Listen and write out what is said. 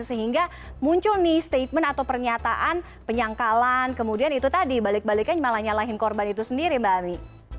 sehingga muncul nih statement atau pernyataan penyangkalan kemudian itu tadi balik baliknya malah nyalahin korban itu sendiri mbak ami